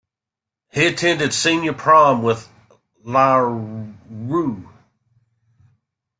He attended senior prom with Larrieux.